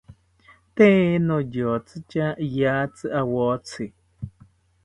Tee niyotzi tya iyatzi awotzi